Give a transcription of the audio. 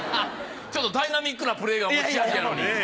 ちょっとダイナミックなプレーが持ち味やのに。